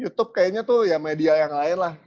youtube kayaknya tuh ya media yang lain lah